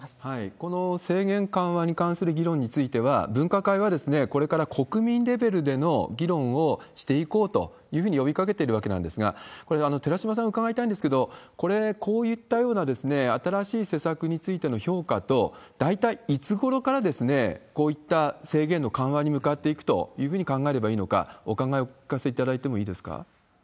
この制限緩和に関する議論については、分科会はこれから国民レベルでの議論をしていこうというふうに呼びかけているわけなんですが、これ、寺嶋さん、伺いたいんですけれども、これ、こういったような新しい施策についての評価と、大体いつごろからこういった制限の緩和に向かっていくというふうに考えればいいのか、お考えをお聞かせいただいてもいいですか？